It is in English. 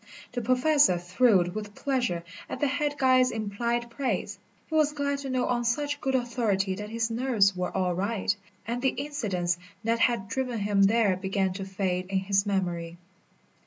The Professor thrilled with pleasure at the head guide's implied praise. He was glad to know on such good authority that his nerves were all right, and the incidents that had driven him there began to fade in his memory.